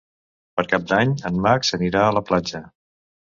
Per Cap d'Any en Max anirà a la platja.